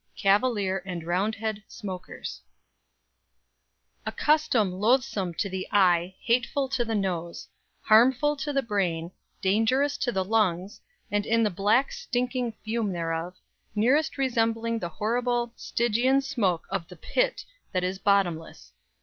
IV CAVALIER AND ROUNDHEAD SMOKERS "A custom lothsome to the eye, hatefull to the Nose, harmefull to the braine, dangerous to the lungs, and in the blacke stinking fume thereof, nearest resembling the horrible Stigian smoke of the pit that is bottomelesse."